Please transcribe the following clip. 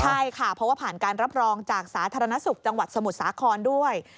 ใช่ค่ะเพราะว่าผ่านการรับรองจากสาธารณสุขจังหวัดสมุทรสาครด้วย